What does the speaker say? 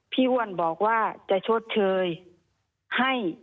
อ้วนบอกว่าจะชดเชยให้